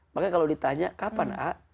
maka kalau ditanya kapan aa